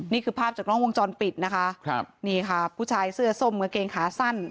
นี่คือภาพจากกล้องวงจรปิดนะคะครับนี่ค่ะผู้ชายเสื้อส้มกางเกงขาสั้น